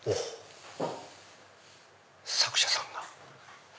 作者さんが！